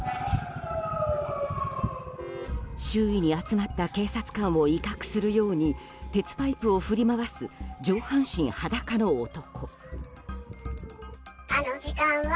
周囲に集まった警察官を威嚇するように鉄パイプを振り回す上半身裸の男。